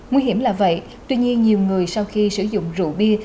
nguy hiểm là vậy tuy nhiên nhiều người sau khi sử dụng rượu bia